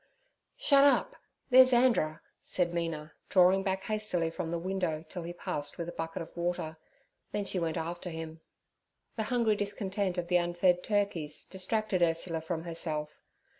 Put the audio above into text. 'Shut up! there's Andrer' said Mina, drawing back hastily from the window till he passed with a bucket of water, then she went after him. The hungry discontent of the unfed turkeys distracted Ursula from herself.